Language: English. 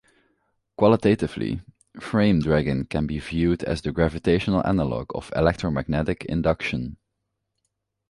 Qualitatively, frame-dragging can be viewed as the gravitational analog of electromagnetic induction.